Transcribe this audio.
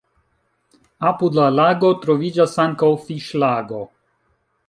Apud la lago troviĝas ankaŭ fiŝlago.